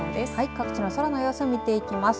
各地の空の様子を見ていきます。